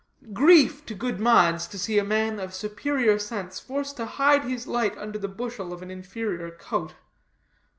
Grief to good minds, to see a man of superior sense forced to hide his light under the bushel of an inferior coat.